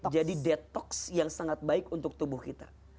jadi detoks yang sangat baik untuk tubuh kita